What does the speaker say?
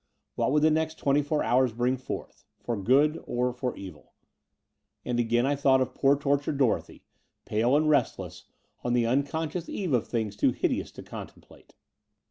What would the next twenty four hours bring forth — for good or for evil? And again I thought of poor tortured Dorothy, pale and restless, on the unconscious eve of things too hideous to contemplate.